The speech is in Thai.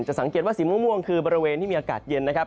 สังเกตว่าสีม่วงคือบริเวณที่มีอากาศเย็นนะครับ